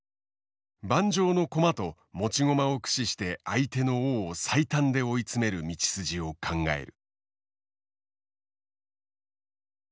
盤上の駒と持ち駒を駆使して相手の王を最短で追い詰める道筋を考える。